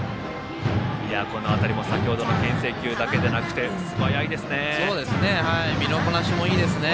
この辺りも先ほどのけん制球だけじゃなくて身のこなしもいいですね。